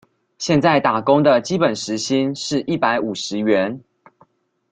現在打工的基本時薪是一百五十元